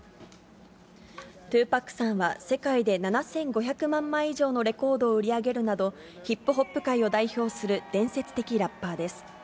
２パックさんは、世界で７５００万枚以上のレコードを売り上げるなど、ヒップホップ界を代表する伝説的ラッパーです。